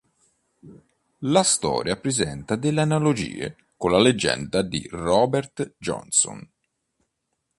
La storia presenta delle analogie con la leggenda di Robert Johnson.